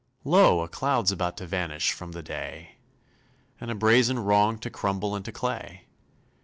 Lo! a cloud's about to vanish From the day; And a brazen wrong to crumble Into clay!